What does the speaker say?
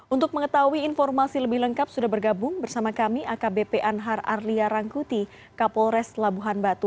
untuk mengetahui informasi lebih lengkap sudah bergabung bersama kami akbp anhar arlia rangkuti kapolres labuhan batu